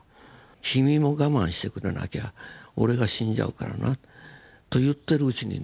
「君も我慢してくれなきゃ俺が死んじゃうからな」と言ってるうちにね